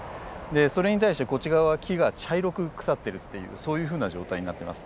それに対してこっち側は木が茶色く腐ってるっていうそういうふうな状態になっています。